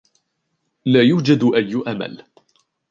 لا يوجد أي أمل.